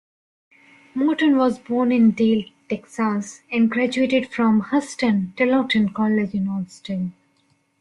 Morton was born in Dale, Texas and graduated from Huston-Tillotson College in Austin.